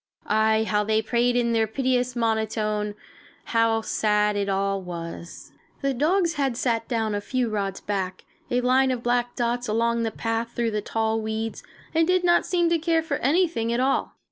Aye, how they prayed in their piteous monotone! How sad it all was! The dogs had sat down a few rods back, a line of black dots along the path through the tall weeds, and did not seem to care for anything at all.